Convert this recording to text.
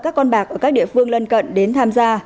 các con bạc ở các địa phương lân cận đến tham gia